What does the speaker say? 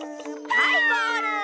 はいゴール！